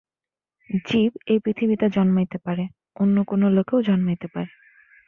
জীব এই পৃথিবীতে জন্মাইতে পারে, অন্য কোন লোকেও জন্মাইতে পারে।